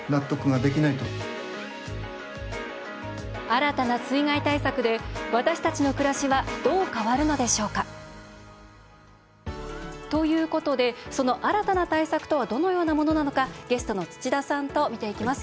新たな水害対策で私たちの暮らしはどう変わるのでしょうか。ということでその新たな対策とはどのようなものなのかゲストの土田さんと見ていきます。